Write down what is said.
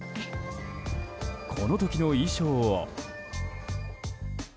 この時の衣装を。